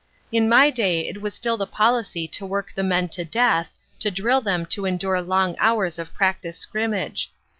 "In my day it was still the policy to work the men to death, to drill them to endure long hours of practice scrimmage.